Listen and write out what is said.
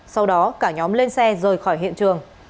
sau đó cả nhóm lên xe rời khỏi hiện trường